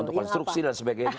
untuk konstruksi dan sebagainya